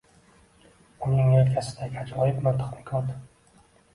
Uning yelkasidagi ajoyib miltiqni ko’rdi.